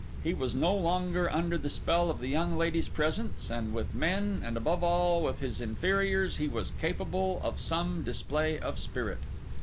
He was no longer under the spell of the young lady's presence; and with men, and above all with his inferiors, he was capable of some display of spirit.